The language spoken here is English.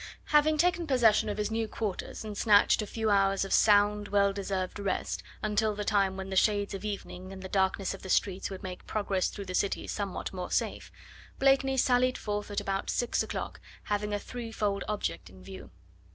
Having taken possession of his new quarters and snatched a few hours of sound, well deserved rest, until the time when the shades of evening and the darkness of the streets would make progress through the city somewhat more safe, Blakeney sallied forth at about six o'clock having a threefold object in view.